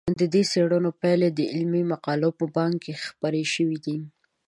د دې څېړنو پایلې د علمي مقالو په بانک کې خپرې شوي دي.